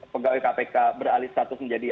pegawai kpk beralih status menjadi